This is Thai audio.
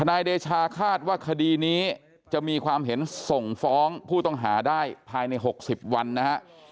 นายเดชาคาดว่าคดีนี้จะมีความเห็นส่งฟ้องผู้ต้องหาได้ภายใน๖๐วันนะฮะ